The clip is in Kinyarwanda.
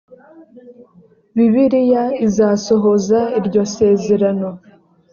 bibiliya izasohoza iryo sezerano